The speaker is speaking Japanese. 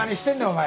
お前。